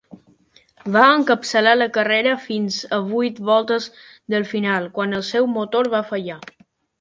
Va encapçalar la carrera fins a vuit voltes del final, quan el seu motor va fallar.